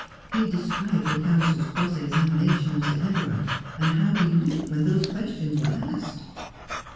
He described the counsel's cross examination of Sir Everard, and how he looked when those questions were asked.'